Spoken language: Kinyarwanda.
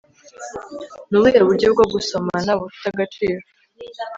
ni ubuhe buryo bwo gusomana bufite agaciro